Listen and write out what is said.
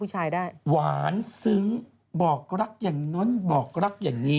ได้หวานซึ้งบอกรักอย่างนั้นบอกรักอย่างนี้